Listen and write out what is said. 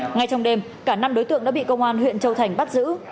ngay trong đêm cả năm đối tượng đã bị công an huyện châu thành bắt giữ